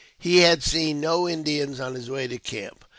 He had seen no Indians on his way to camp.